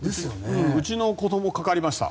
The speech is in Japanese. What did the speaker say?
うちの子ども、かかりました。